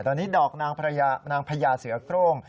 ตอนนี้ดอกนางพญาเสือโครง